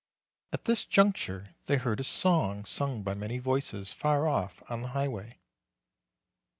At this juncture, they heard a song sung by many voices far off on the highway.